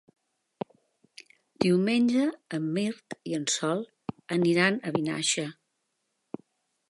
Diumenge en Mirt i en Sol aniran a Vinaixa.